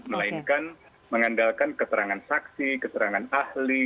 melainkan mengandalkan keterangan saksi keterangan ahli